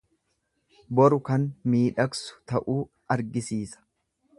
Boru kan miidhagsu ta'uu argisiisa.